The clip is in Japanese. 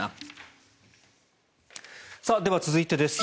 では、続いてです。